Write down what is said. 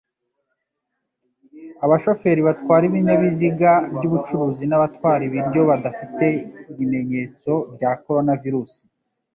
abashoferi batwara ibinyabiziga byubucuruzi nabatwara ibiryo badafite ibimenyetso bya coronavirus